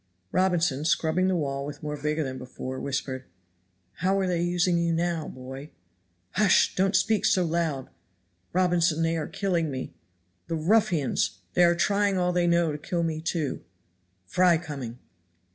Robinson, scrubbing the wall with more vigor than before, whispered, "How are they using you now, boy?" "Hush! don't speak so loud. Robinson they are killing me. "The ruffians! They are trying all they know to kill me, too." "Fry coming."